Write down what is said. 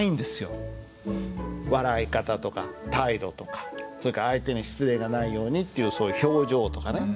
そうするとねそれから相手に失礼がないようにっていうそういう表情とかね。